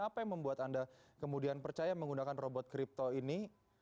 apa yang membuat anda kemudian percaya menggunakan robot kripto ini